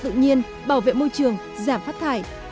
thực nhiên bảo vệ môi trường giảm phát thải